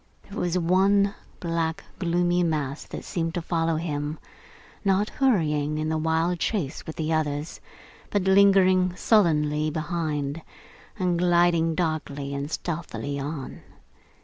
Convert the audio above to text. There was one black, gloomy mass that seemed to follow him: not hurrying in the wild chase with the others, but lingering sullenly behind, and gliding darkly and stealthily on.